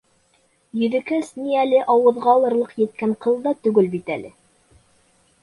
Йөҙөкәс ни әле ауыҙға алырлыҡ еткән ҡыҙ ҙа түгел бит әле.